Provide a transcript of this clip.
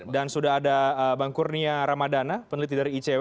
dan sudah ada bang kurnia ramadana peneliti dari icw